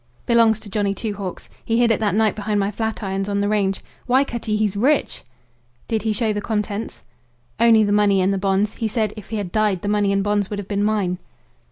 "Belongs to Johnny Two Hawks. He hid it that night behind my flatirons on the range. Why, Cutty, he's rich!" "Did he show the contents?" "Only the money and the bonds. He said if he had died the money and bonds would have been mine.